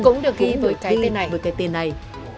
cũng được ghi với cái tên này